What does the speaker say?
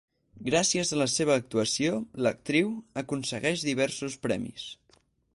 Gràcies a la seva actuació, l'actriu, aconsegueix diversos premis.